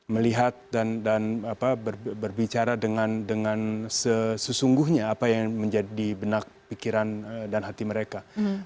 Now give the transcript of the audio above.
melihat dan berbicara dengan sesungguhnya apa yang menjadi benak pikiran dan hati mereka